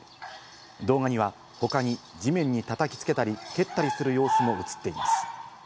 動画には他に地面に叩きつけたり蹴ったりする様子も映っています。